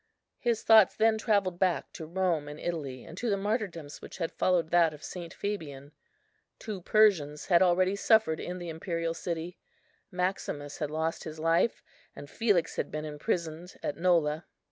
His thoughts then travelled back to Rome and Italy, and to the martyrdoms which had followed that of St. Fabian. Two Persians had already suffered in the imperial city; Maximus had lost his life, and Felix had been imprisoned, at Nola.